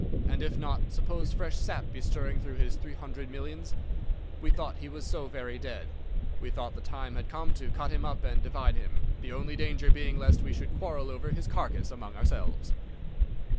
And if not? Suppose fresh sap be stirring through his three hundred millions? We thought he was so very dead; we thought the time had come to cut him up and divide him, the only danger being lest we should quarrel over his carcase among ourselves.